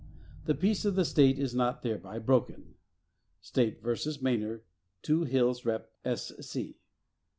The peace of the state is not thereby broken." (State v. Maner, 2 Hill's Rep.